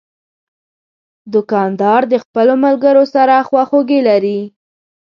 دوکاندار د خپلو ملګرو سره خواخوږي لري.